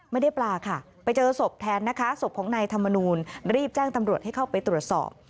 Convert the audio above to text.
ไม่ได้ปลาค่ะไปเจอศพแทนนะคะศพของนายธรรมนูลรีบแจ้งตำรวจให้เข้าไปตรวจสอบ